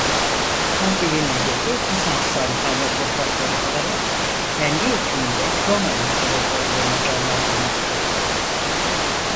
Fatihin hedefi bizanstan kalma toprakları alarak kendi hükmünde Roma imparatorluğunu canlandırmaktı.